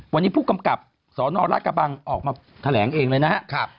วันนี้ผู้กำกับสนรัฐกระบังออกมาแถลงเองเลยนะครับ